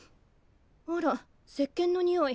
あらせっけんのにおい。